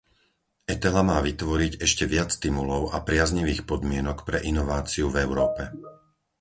Etela má vytvoriť ešte viac stimulov a priaznivých podmienok pre inováciu v Európe.